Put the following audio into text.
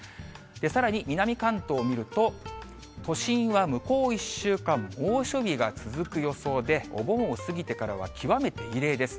さらに南関東を見ると、都心は向こう１週間、猛暑日が続く予想で、お盆を過ぎてからは極めて異例です。